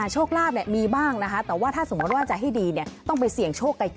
โชคลาภมีบ้างนะครับแต่ว่าถ้าสมมติว่าจะให้ดีเนี้ย